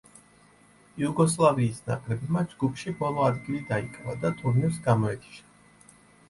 იუგოსლავიის ნაკრებმა ჯგუფში ბოლო ადგილი დაიკვა და ტურნირს გამოეთიშა.